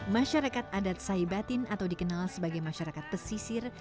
masyarakat adat saibatin atau dikenal sebagai masyarakat pesisir